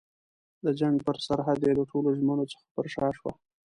د جنګ پر سرحد یې له ټولو ژمنو څخه پر شا شوه.